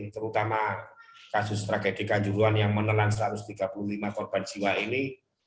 terutama kasus tragedi kanjuruan yang menelan satu ratus tiga puluh lima korban jiwa ini